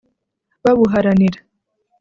babuharanira